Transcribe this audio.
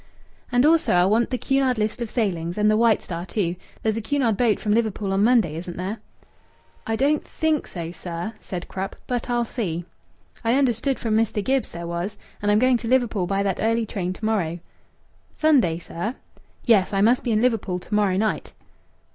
"And also I want the Cunard list of sailings, and the White Star, too. There's a Cunard boat from Liverpool on Monday, isn't there?" "I don't think so, sir," said Krupp, "but I'll see." "I understood from Mr. Gibbs there was. And I'm going to Liverpool by that early train to morrow." "Sunday, sir?" "Yes, I must be in Liverpool to morrow night."